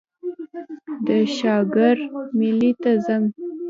د شاکار مېلې ته ځم.